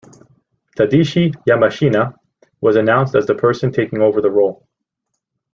Tadashi Yamashina was announced as the person taking over the role.